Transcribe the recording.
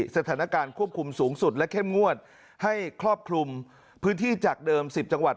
สถานการณ์ควบคุมสูงสุดและเข้มงวดให้ครอบคลุมพื้นที่จากเดิม๑๐จังหวัด